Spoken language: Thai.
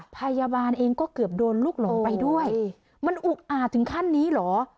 พยาบาลเองก็เกือบโดนลูกหลงไปด้วยมันอุกอาจถึงขั้นนี้เหรอ